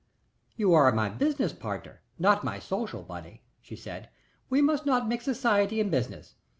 "You are my business partner not my social, Bunny," she said. "We must not mix society and business.